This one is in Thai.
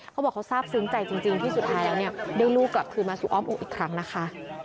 เขาบอกเขาทราบซึ้งใจจริงที่สุดท้ายแล้วเนี่ยได้ลูกกลับคืนมาสู่อ้อมองค์อีกครั้งนะคะ